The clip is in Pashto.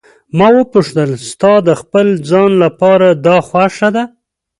ما وپوښتل: ستا د خپل ځان لپاره دا خوښه ده.